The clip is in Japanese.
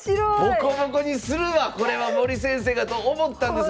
ボコボコにするわこれは森先生がと思ったんですが